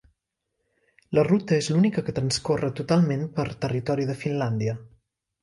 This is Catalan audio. La ruta és l'única que transcorre totalment per territori de Finlàndia.